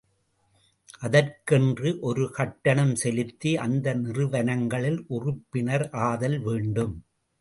அதற்கு என்று ஒரு கட்டணம் செலுத்தி அந்த நிறுவனங்களில் உறுப்பினர் ஆதல் வேண்டும்.